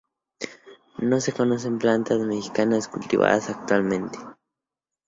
No se conocen plantas mexicanas cultivadas actualmente.